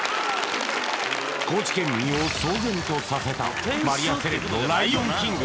高知県民を騒然とさせたマリアセレンの「ライオンキング」